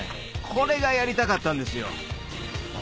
これがやりたかったんですよ